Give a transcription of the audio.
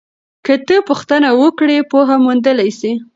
که ته پوښتنه وکړې پوهه موندلی سې.